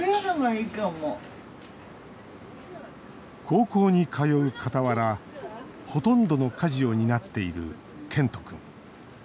高校に通うかたわらほとんどの家事を担っている健人君。